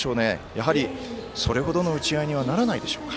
やはりそれほどの打ち合いにはならないでしょうか。